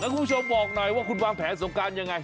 คุณผู้ชมบอกหน่อยว่าคุณวางแผนสงการยังไง